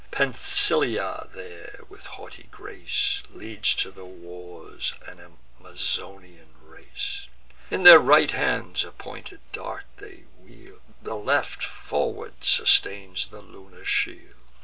Penthisilea there, with haughty grace, Leads to the wars an Amazonian race: In their right hands a pointed dart they wield; The left, for ward, sustains the lunar shield.